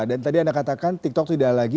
dan tadi anda katakan tiktok tidak lagi